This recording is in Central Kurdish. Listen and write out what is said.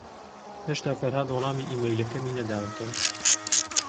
ھێشتا فەرھاد وەڵامی ئیمەیلەکەمی نەداوەتەوە.